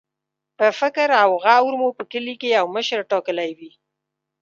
په فکر او غور مو په کلي کې یو مشر ټاکلی وي.